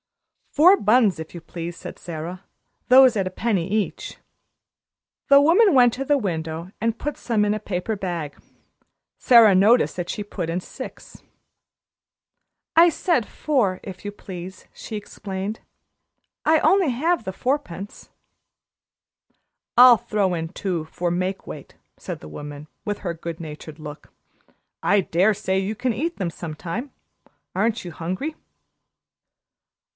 "Four buns, if you please," said Sara; "those at a penny each." The woman went to the window and put some in a paper bag. Sara noticed that she put in six. "I said four, if you please," she explained. "I have only the fourpence." "I'll throw in two for make weight," said the woman, with her good natured look. "I dare say you can eat them some time. Aren't you hungry?"